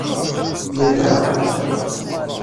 Yelha.